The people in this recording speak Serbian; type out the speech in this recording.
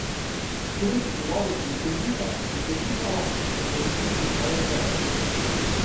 Србски роботи Србислав и Србислава ће користити овај сервис!